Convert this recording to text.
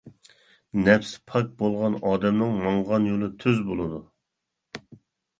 نەپسى پاك بولغان ئادەمنىڭ ماڭغان يولى تۈز بولىدۇ.